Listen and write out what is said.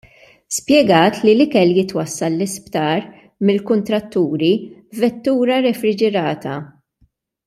Spjegat li l-ikel jitwassal l-isptar mill-kuntratturi f'vettura refriġirata.